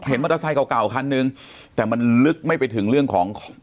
มอเตอร์ไซคเก่าเก่าคันนึงแต่มันลึกไม่ไปถึงเรื่องของ